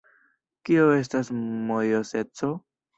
Kio estas mojoseco?